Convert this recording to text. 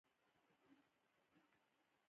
د فارسي ژبې او ادب اغیزه هم ډیره لیدل کیږي